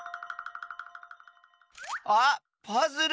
あっパズル！